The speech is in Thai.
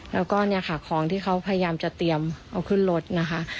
แล้วก็เนี่ยค่ะของที่เขาพยายามจะเตรียมเอาขึ้นรถนะคะ